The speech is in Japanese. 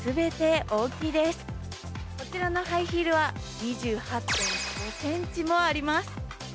こちらのハイヒールは２８ｃｍもあります。